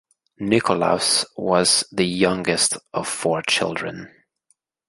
Nicolaus was the youngest of four children.